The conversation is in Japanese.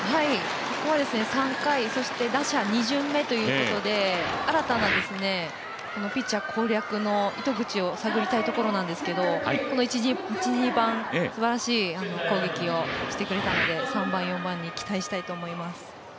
ここは３回、そして、打者２巡目ということで、新たなピッチャー攻略の糸口を探りたいところなんですけどこの１、２番すばらしい攻撃をしてくれたので３番、４番に期待したいと思います。